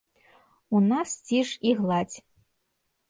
У нас ціш і гладзь.